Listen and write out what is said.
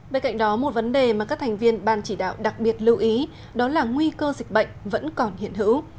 bên cạnh đó một vấn đề mà các thành viên ban chỉ đạo đặc biệt lưu ý đó là nguy cơ dịch bệnh vẫn còn hiện hữu